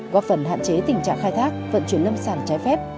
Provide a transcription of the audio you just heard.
góp phần hạn chế tình trạng khai thác vận chuyển lâm sản trái phép